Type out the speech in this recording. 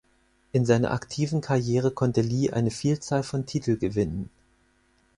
In seiner aktiven Karriere konnte Li eine Vielzahl von Titel gewinnen.